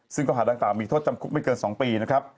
ซึ่งข้อหาดังกล่ามีโทษจำคุกไม่เกิน๒ปีนะครับ